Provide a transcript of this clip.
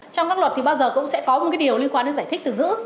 trong các luật thì bao giờ cũng sẽ có một điều liên quan đến giải thích từ ngữ